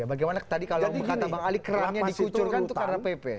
bagaimana tadi kalau kata bang ali kerannya dikucurkan itu karena pp